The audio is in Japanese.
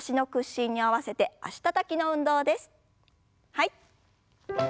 はい。